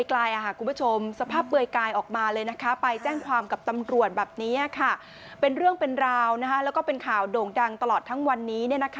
แล้วก็เป็นข่าวโด่งดังตลอดทั้งวันนี้